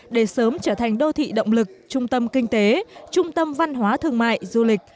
để sớm trở thành đô thị động lực trung tâm kinh tế trung tâm văn hóa thương mại du lịch